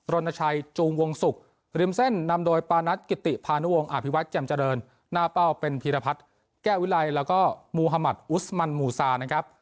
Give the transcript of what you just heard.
รณชัยจูงวงศุกร์ริมเส้นนำโดยปานัทกิติพานุวงศ์อภิวัตรแจ่มเจริญหน้าเป้าเป็นพีรพัฒน์แก้ววิไลแล้วก็มูฮามัติอุสมันมูซานะครับ